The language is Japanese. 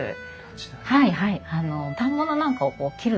はいはい。